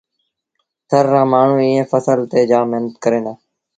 ٿر رآ مآڻهوٚݩ ايئي ڦسل تي جآم مهنت ڪريݩ دآ۔